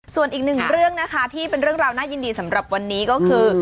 ส่วนอีกหนึ่งเรื่องนะคะที่เป็นเรื่องราวน่ายินดีสำหรับวันนี้ก็คือ